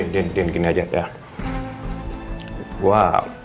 din din gini aja ya